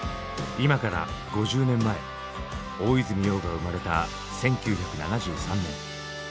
今から５０年前大泉洋が生まれた１９７３年。